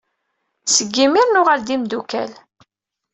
Seg imir, nuɣal d imdukal.